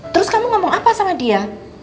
terus kamu ngomong apa sama dia